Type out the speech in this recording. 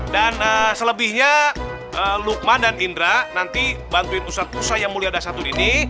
dan selebihnya lukman dan indra nanti bantuin ustaz pusat yang mulia dasar hari ini